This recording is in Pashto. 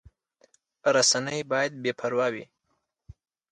رسنۍ باید بې پرې وي